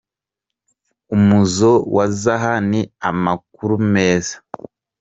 "Umuzo wa Zaha ni amakuru meza.